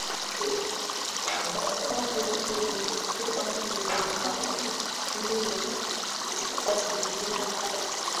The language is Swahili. Daftari hilo lilikuwa limegawanywa katika sehemu tatu